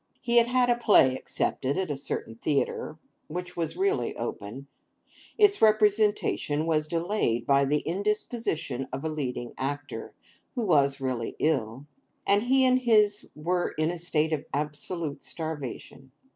He had had a play accepted at a certain Theatre—which was really open; its representation was delayed by the indisposition of a leading actor—who was really ill; and he and his were in a state of absolute starvation.